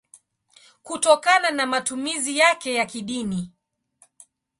kutokana na matumizi yake ya kidini.